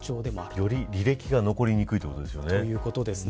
より履歴が残りにくいということですよね。